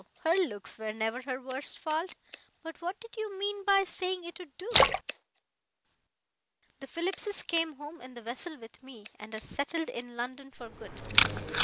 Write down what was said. her looks were never her worst fault. But what did you mean by saying it would do?" "The Phillipses came home in the vessel with me, and are settled in London for good.